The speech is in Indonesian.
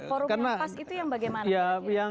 forum yang pas itu yang bagaimana ya